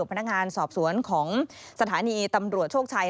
พนักงานสอบสวนของสถานีตำรวจโชคชัย